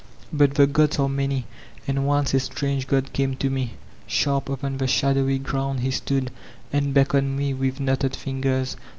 But the gods are many. And once a strange god came to me. Sharp upon the shadowy ground he stood, and beckoned me with knotted fingers.